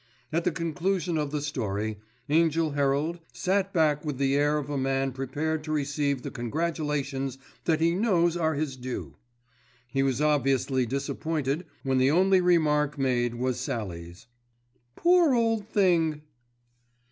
At the conclusion of the story Angell Herald, sat back with the air of a man prepared to receive the congratulations that he knows are his due. He was obviously disappointed when the only remark made was Sallie's. "Poor old thing."